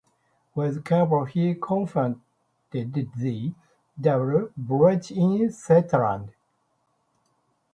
With Cable, he confronted G. W. Bridge in Switzerland.